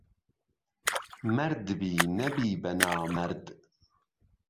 مەردبی نهبی به نامەرد